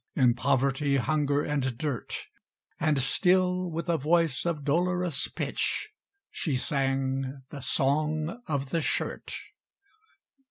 In poverty, hunger, and dirt, And still with a voice of dolorous pitch She sang the "Song of the Shirt."